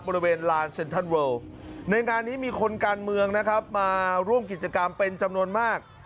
บริเวณลานเซ็นทรัลเวิลในงานนี้มีคนการเมืองนะครับมาร่วมกิจกรรมเป็นจำนวนมาก